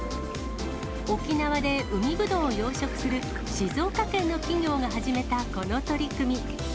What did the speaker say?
沖縄で海ぶどうを養殖する静岡県の企業が始めたこの取り組み。